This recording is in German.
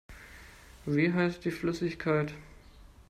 Wie heißt die Flüssigkeit?